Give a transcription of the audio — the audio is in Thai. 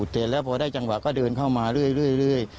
เสร็จแล้วพอได้จังหวะก็เดินเข้ามาเรื่อย